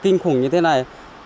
kinh khủng như thế này